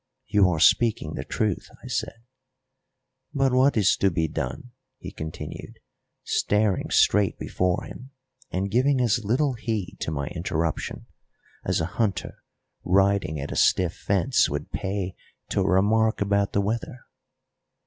"You are speaking the truth," I said. "But what is to be done?" he continued, staring straight before him and giving as little heed to my interruption as a hunter riding at a stiff fence would pay to a remark about the weather.